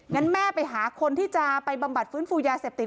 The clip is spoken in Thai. งั้นแม่ไปหาคนที่จะไปบำบัดฟื้นฟูยาเสพติด